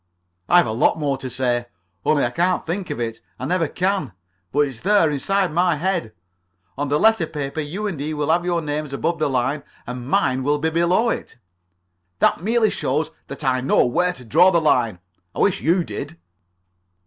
"I've a lot more to say, only I can't think of it. I never can. But it's there. Inside my head. On the letter paper you and he will have your names above the line, and mine will be below it." "That merely shows that I know where to draw the line. I wish you did."